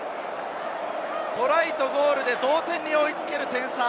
トライとゴールで同点に追いつける点差。